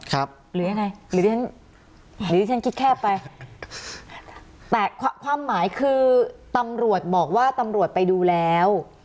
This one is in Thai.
หรือยังไงหรือที่ฉันคิดแคบไปแต่ความหมายคือตำรวจบอกว่าตำรวจไปดูแล้ว